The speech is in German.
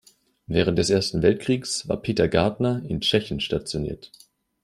Während des Ersten Weltkriegs war Peter Gartner in Tschechien stationiert.